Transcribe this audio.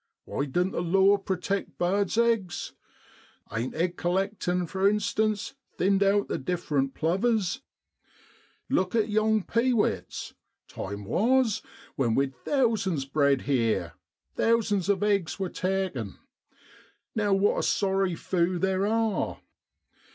Why doan't the law protect birds' eggs ? Ain't egg collectin', for instance, thinned out the different plovers ? Look at yon pewits. Time was when we'd thousands bred here : thousands of eggs was taken. Now what a sorry few theer are.